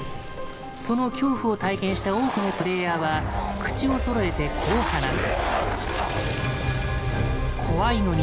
その恐怖を体験した多くのプレイヤーは口をそろえてこう話す。